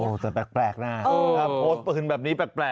โอ้แต่แปลกน่ะถ้าโพสต์เปิดขึ้นแบบนี้แปลกน่ะ